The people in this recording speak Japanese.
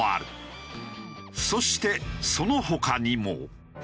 そしてその他にも。